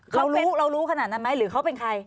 เขารู้เรารู้ขนาดนั้นไหมหรือเขาเป็นใคร